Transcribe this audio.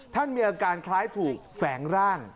ท่านมีอาการคล้ายถูกแฝงร่าง